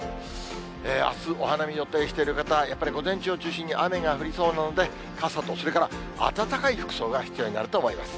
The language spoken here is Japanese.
あす、お花見予定している方、やっぱり午前中を中心に雨が降りそうなので、傘と、それから暖かい服装が必要になると思います。